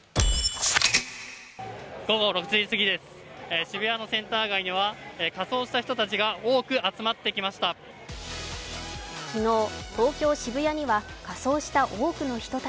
午後６時すぎです、渋谷のセンター街には仮装した人たちが多く集まってきました。